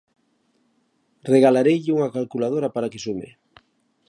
Regalareille unha calculadora para que sume.